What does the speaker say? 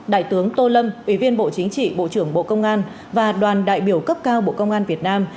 đại tướng tô lâm ủy viên bộ chính trị bộ trưởng bộ công an và đoàn đại biểu cấp cao bộ công an việt nam